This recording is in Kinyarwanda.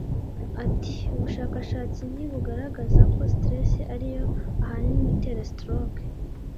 Ati Ubushakashatsi nti bugaragaza ko stress ariyo ahanini itera stroke.